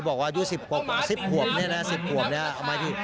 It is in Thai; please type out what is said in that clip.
บอกว่าอยู่๑๐ขวบนี่นะ๑๐ขวบนี่เอามาให้พี่